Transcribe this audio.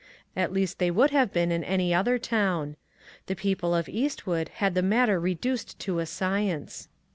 At least they would have been in any other town. The people of Eastwood had the matter reduced to a science.